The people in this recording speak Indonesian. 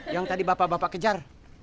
yang tadi bapak bapak kejar